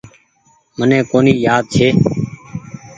مني ڪونيٚ يآد ڇي۔